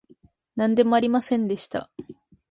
なんでもありませんでした